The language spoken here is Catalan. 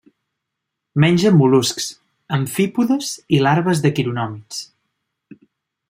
Menja mol·luscs, amfípodes i larves de quironòmids.